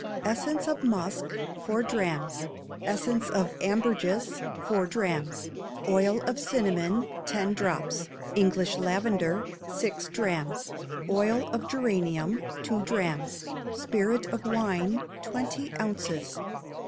Essence of musk, four drachms; essence of ambergris, four drachms; oil of cinnamon, ten drops; English lavender, six drachms; oil of geranium, two drachms; spirit of wine, twenty ounces.